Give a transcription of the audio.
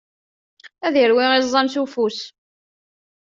Ad irwi iẓẓan s ufus.